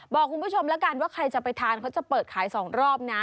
บอกคุณผู้ชมแล้วกันว่าใครจะไปทานเขาจะเปิดขาย๒รอบนะ